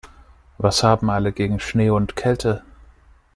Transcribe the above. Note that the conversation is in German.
Was haben alle gegen Schnee und Kälte?